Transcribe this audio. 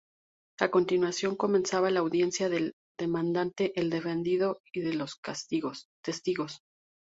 A continuación, comenzaba la audiencia del demandante, el defendido y los testigos.